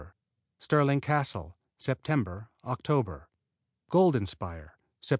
Stirling Castle Sept., Oct. Golden Spire Sept.